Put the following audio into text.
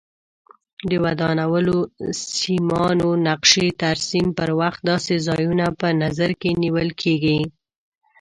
د ودانیو سیمانو نقشې ترسیم پر وخت داسې ځایونه په نظر کې نیول کېږي.